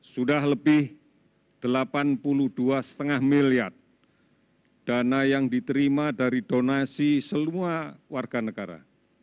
sudah lebih delapan puluh dua lima miliar dana yang diterima dari donasi semua warga negara